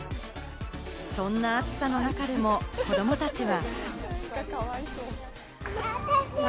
そんな暑さの中でも子供たちは。